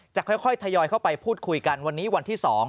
จะค่อยทยอยเข้าไปพูดคุยกันวันนี้วันที่๒